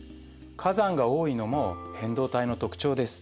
火山が多いのも変動帯の特徴です。